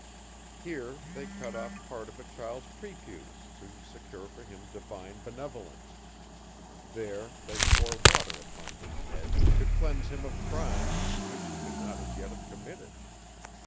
Here they cut off part of a child's prepuce, to secure for him divine benevolence; there, they pour water upon his head, to cleanse him of crimes, which he could not as yet have committed.